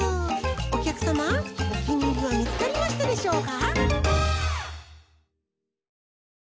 おきゃくさまおきにいりはみつかりましたでしょうか？